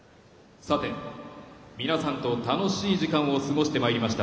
さて皆さんと楽しい時間を過ごしてまいりました